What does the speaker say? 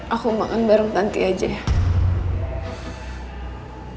aku makan bareng tanti aja ya